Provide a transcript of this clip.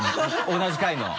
同じ回の。